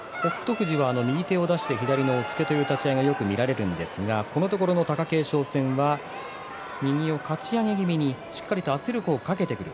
富士が右手を出して左を押っつける立ち合いがよく見られるんですがこのところの貴景勝戦は右をかち上げ気味にしっかりと圧力をかけてくる。